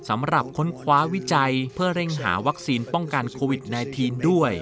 ค้นคว้าวิจัยเพื่อเร่งหาวัคซีนป้องกันโควิด๑๙ด้วย